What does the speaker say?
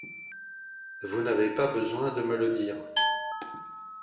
Vous n’avez pas besoin de me le dire.